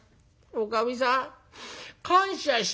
おかみさん感謝してます。